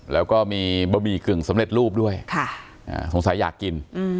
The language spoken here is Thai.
แล้วก็มีบะหมี่กึ่งสำเร็จรูปด้วยสงสัยอยากกิน